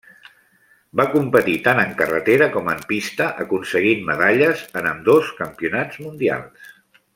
Va competir tant en carretera com en pista aconseguint medalles en ambdós campionats mundials.